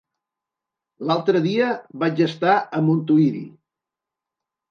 L'altre dia vaig estar a Montuïri.